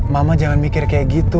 mama jangan mikir kayak gitu